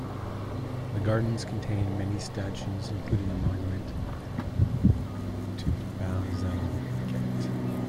The gardens contain many statues, including a monument to Bazalgette.